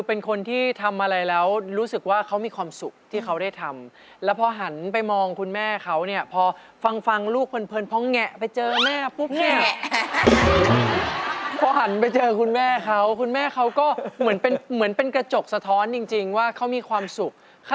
เฟี่ยงควี่ยงก็ได้แหมเฟี่ยงเพราะก็หันฝามานักนี้เลย